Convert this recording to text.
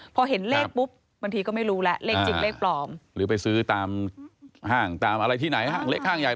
พอเห็นเลขปุ๊บบางทีก็ไม่รู้แหละเลขจริงเลขปลอมหรือไปซื้อตามห้างตามอะไรที่ไหนห้างเลขห้างใหญ่